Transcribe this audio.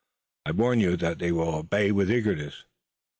I warn you that they will obey with eagerness."